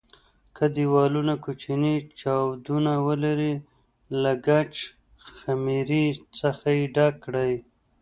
که دېوالونه کوچني چاودونه ولري له ګچ خمېرې څخه یې ډک کړئ.